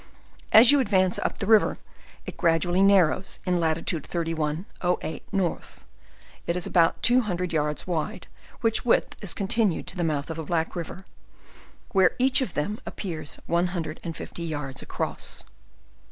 As you advance up the river, it grade ally narrows; in latitude 31, 08, N. it is about two hundred yards wide, which width is continued to the mouth of Black river, where each of them appears one hundred and fifty yards across.